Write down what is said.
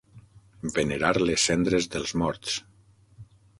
Venerar les cendres dels morts.